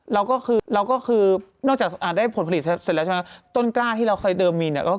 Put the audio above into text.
เราก็คือต้นก่าที่เคยเดิมมีก็เก็บไว้